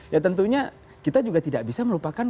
ya tentunya kita juga tidak bisa melupakan